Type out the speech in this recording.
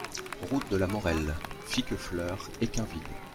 Route de la Morelle, Fiquefleur-Équainville